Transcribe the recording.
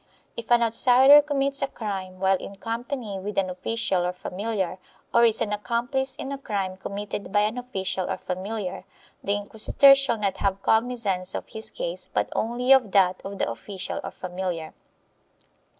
CHAP. IV] VALENCIA 445 If an outsider commits a crime while in company with an official or familiar, or is an accomplice in a crime committed by an official or familiar, the inquisitors shall not have cognizance of his case but only of that of the official or familiar.